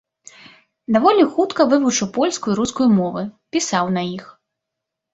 Даволі хутка вывучыў польскую і рускую мовы, пісаў на іх.